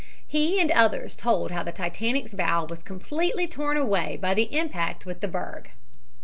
He and others told how the Titanic's bow was completely torn away by the impact with the berg.